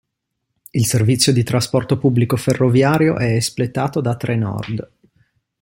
Il servizio di trasporto pubblico ferroviario è espletato da Trenord.